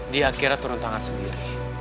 dia akhirnya turun tangan sendiri